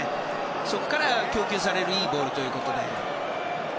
そこから供給されるいいボールということで。